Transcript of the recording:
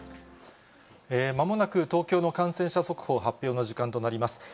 まもなく東京の感染者速報発表の時間となります。